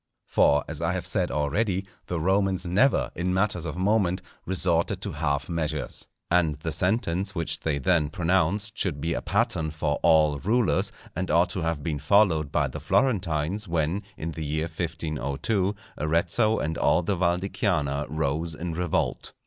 For, as I have said already, the Romans never, in matters of moment, resorted to half measures. And the sentence which they then pronounced should be a pattern for all rulers, and ought to have been followed by the Florentines when, in the year 1502, Arezzo and all the Val di Chiana rose in revolt.